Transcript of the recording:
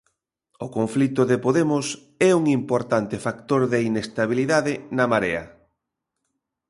O conflito de Podemos é un importante factor de inestabilidade na Marea.